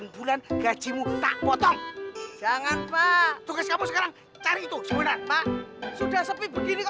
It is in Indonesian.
delapan bulan gajimu tak potong jangan pak sekarang